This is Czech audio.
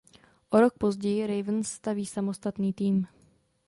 O rok později Ravens staví samostatný tým.